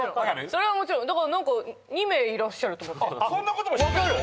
それはもちろんだから何か２名いらっしゃると思ってそんなことも知ってるの？